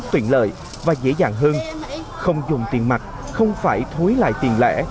tuyện lợi và dễ dàng hơn không dùng tiền mặt không phải thúi lại tiền lẻ